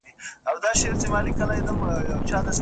او ساړه او توند بادونه